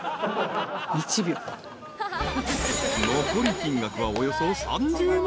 ［残る金額はおよそ３０万円］